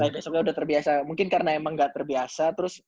besoknya udah terbiasa mungkin karena emang nggak terbiasa terus